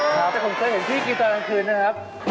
แต่ผมเคยเห็นพี่กินตอนกลางคืนนะครับ